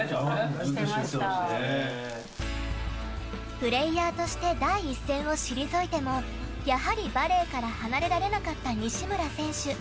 プレーヤーとして第一線を退いてもやはりバレーから離れられなかった西村選手。